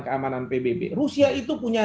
keamanan pbb rusia itu punya